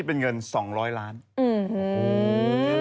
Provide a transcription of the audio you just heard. คิดเป็นเงิน๒๐๐ล้านบาท